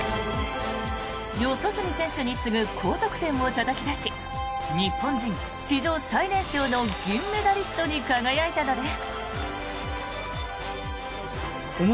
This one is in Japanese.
四十住選手に次ぐ高得点をたたき出し日本人史上最年少の銀メダリストに輝いたのです。